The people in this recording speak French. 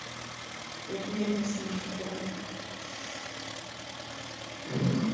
L’avenir ne signifie plus rien.